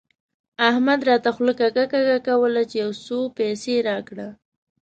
احمد راته خوله کږه کږه کوله چې يو څو پيسې راکړه.